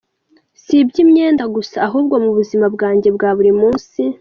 Si iby’imyenda gusa ahubwo mu buzim bwanjye bwa buri munsi.